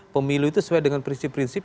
pemilu itu sesuai dengan prinsip prinsip